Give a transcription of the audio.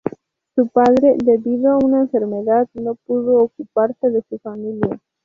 Su padre, debido a una enfermedad, no pudo ocuparse de su familia.